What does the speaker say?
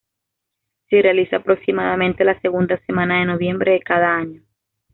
Se realiza aproximadamente la segunda semana de noviembre de cada año.